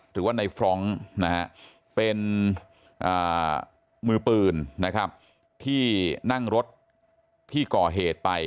หรือว่าในฟรองก์นะฮะเป็นมือปืนนะครับที่นั่งรถที่ก่อเหตุไป